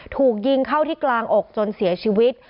ถูกยิงเข้าที่กลางอกจนเสียชีวิต